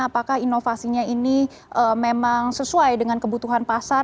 apakah inovasinya ini memang sesuai dengan kebutuhan pasar